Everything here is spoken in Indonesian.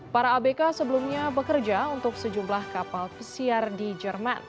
para abk sebelumnya bekerja untuk sejumlah kapal pesiar di jerman